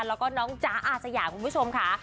แล้วก็น้องจ๊ะอาสยามคุณผู้ชมค่ะ